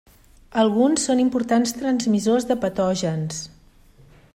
Alguns són importants transmissors de patògens.